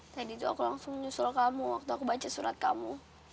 tadi itu aku langsung nyusul kamu waktu aku baca surat kamu